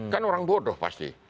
kan orang bodoh pasti